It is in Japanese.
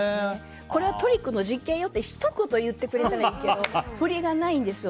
これはトリックの実験よってひと言、言ってくれればいいんだけど振りがないんですよ。